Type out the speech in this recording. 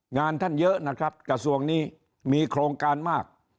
งานท่านเยอะนะครับกระทรวงนี้มีโครงการมาก